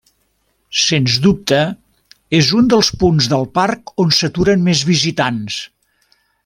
Sens dubte, és un dels punts del Parc on s'aturen més visitants.